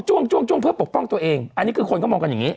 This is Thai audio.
้วงเพื่อปกป้องตัวเองอันนี้คือคนก็มองกันอย่างนี้